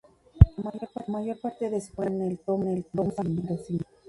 La mayor parte de su carrera fue en el "Tomba" mendocino.